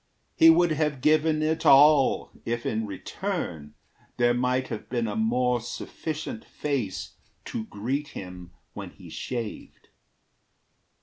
He would have given it all if in return There might have been a more sufficient face To greet him when he shaved.